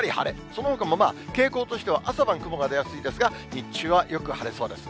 そのほかも傾向としては朝晩、雲が出やすいですが、日中はよく晴れそうです。